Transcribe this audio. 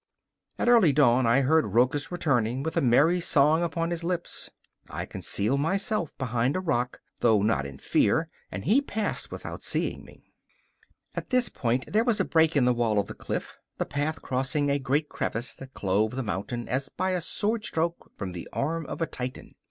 At early dawn I heard Rochus returning, with a merry song upon his lips. I concealed myself behind a rock, though not in fear, and he passed without seeing me. At this point there was a break in the wall of the cliff, the path crossing a great crevice that clove the mountain as by a sword stroke from the arm of a Titan.